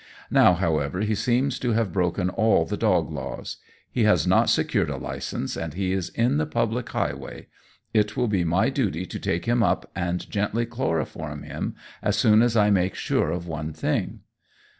Now, however, he seems to have broken all the dog laws. He has not secured a license, and he is in the public highway. It will be my duty to take him up and gently chloroform him as soon as I make sure of one thing."